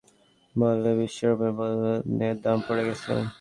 চীনের মানুষের সঞ্চয় বেড়ে গেছে বলে বিশ্ববাজারে পণ্যের দাম পড়ে গেছে।